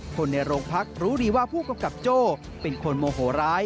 คนในโรงพักรู้ดีว่าผู้กำกับโจ้เป็นคนโมโหร้าย